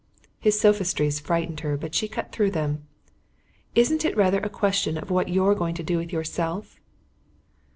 His sophistries frightened her; but she cut through them. "Isn't it rather a question of what you're going to do with yourself?"